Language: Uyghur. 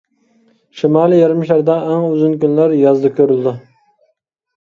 شىمالىي يېرىم شاردا ئەڭ ئۇزۇن كۈنلەر يازدا كۆرۈلىدۇ.